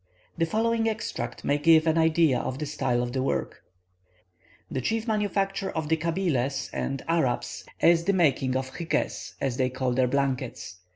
The following extract may give an idea of the style of the work: "The chief manufacture of the Kabyles and Arabs is the making 'hykes,' as they call their blankets.